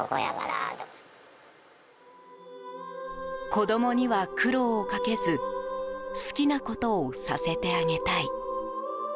子供には苦労をかけず好きなことをさせてあげたい。